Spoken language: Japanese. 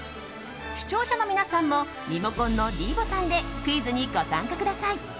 視聴者の皆さんもリモコンのｄボタンでクイズにご参加ください。